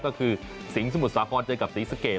ก็คือสิงสมุทรสาธารณ์เจอกับสีสเกษ